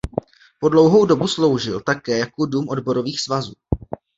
Po dlouhou dobu sloužil také jako Dům odborových svazů.